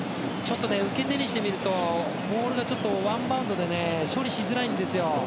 受け手にしてみるとボールがワンバウンドで処理しづらいんですよ。